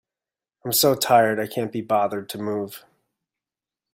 I'm so tired, I can't be bothered to move.